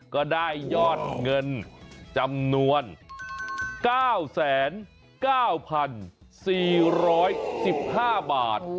ก็ได้ยอดเงินจำนวน๙๙๔๑๕บาท